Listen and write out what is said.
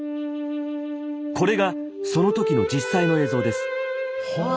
これがその時の実際の映像です。